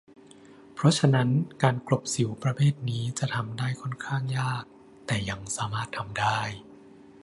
เพราะฉะนั้นการกลบสิวประเภทนี้จะทำได้ค่อนข้างยาก แต่ยังสามารถทำได้